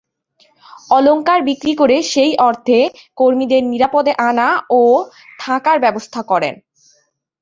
অলংকার বিক্রি করে সেই অর্থে কর্মীদের নিরাপদে আনা ও থাকার ব্যবস্থা করেন।